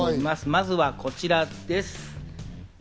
まずはこちらです。